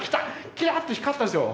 キラッと光ったんですよ。